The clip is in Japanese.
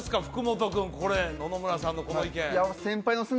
福本君これ野々村さんのこの意見あら！